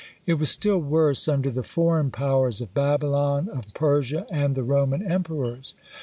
It was still worse under the foreign powers of Babylon, of Persia, and the Roman emperors.